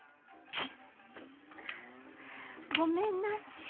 ごめんなんし。